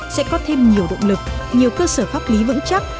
sẽ có thêm nhiều động lực nhiều cơ sở pháp lý vững chắc